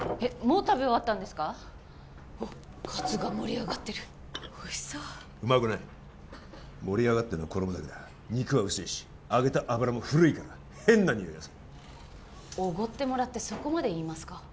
うわっカツが盛り上がってるおいしそううまくない盛り上がってんのは衣だけだ肉は薄いし揚げた油も古いから変なにおいがするおごってもらってそこまで言いますか？